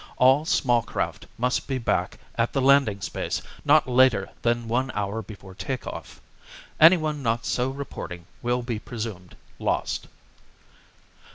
All small craft must be back at the landing space not later than one hour before take off. Anyone not so reporting will be presumed lost."